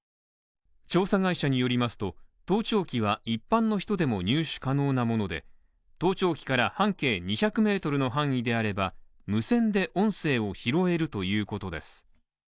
調査会社によりますと、盗聴器は、一般の人でも入手可能なもので、盗聴器から半径２００ｍの範囲であれば、無線で音声を拾えるということです。